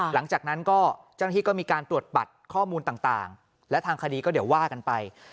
หลังจากนั้นก็เจ้าหน้าที่ก็มีการตรวจบัตรข้อมูลต่างและทางคดีก็เดี๋ยวว่ากันไป